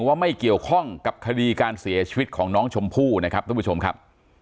ว่าไม่เกี่ยวข้องกับคดีการเสียชีวิตของน้องชมพู่นะครับท่านผู้ชมครับ